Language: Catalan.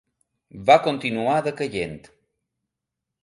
Va continuar decaient.